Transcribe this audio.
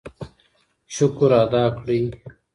شکر ادا کړئ.